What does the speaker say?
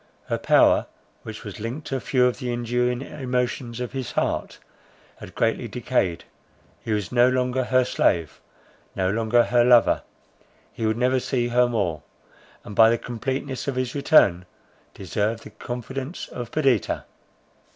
Her power, which was linked to few of the enduring emotions of his heart, had greatly decayed. He was no longer her slave—no longer her lover: he would never see her more, and by the completeness of his return, deserve the confidence of Perdita.